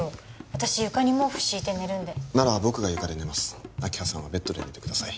私床に毛布敷いて寝るんでなら僕が床で寝ます明葉さんはベッドで寝てください